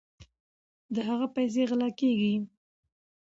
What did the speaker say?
د هغه پیسې غلا کیږي.